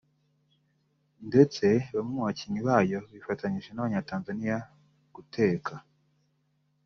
ndetse bamwe mu bakinnyi bayo bifatanyije n’abanya Tanzania guteka